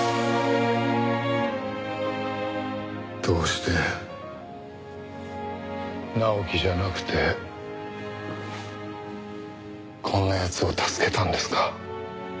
どうして直樹じゃなくてこんな奴を助けたんですか？